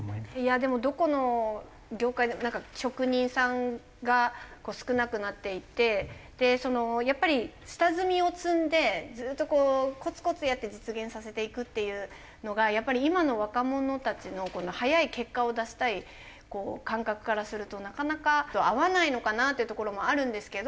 でもどこの業界でも職人さんが少なくなっていてやっぱり下積みを積んでずっとコツコツやって実現させていくっていうのがやっぱり今の若者たちの早い結果を出したい感覚からするとなかなか合わないのかなっていうところもあるんですけど。